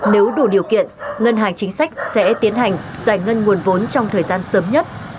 nếu đủ điều kiện ngân hàng chính sách sẽ tiến hành giải ngân nguồn vốn trong thời gian sớm nhất